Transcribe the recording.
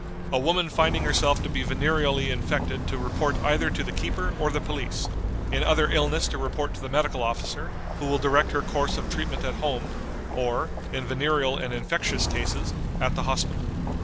A woman finding herself to be venereally infected to report either to the keeper or the police; in other illness to report to the medical officer, who will direct her course of treatment at home, or, in venereal and infectious cases, at the hospital.